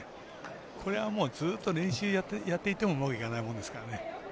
これはずっと練習やっていかないといけないものですからね。